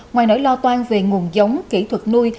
ngoài nỗi lo toan về nguồn giống kỹ thuật nuôi